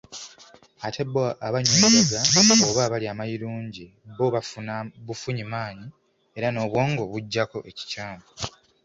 Ate bo abanywa enjaga oba abalya amayirungi bo bafuna bufunyi maanyi era n'obwongo bujjako ekikyamu.